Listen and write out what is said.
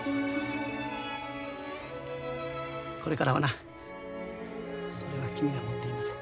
これからはなそれは君が持っていなさい。